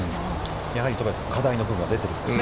やはり戸張さん、課題のほうが出ているんですね。